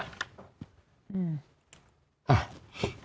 อืม